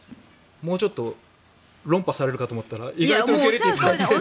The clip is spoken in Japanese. もうちょっと論破されるかと思ったら意外と受け入れていただいて。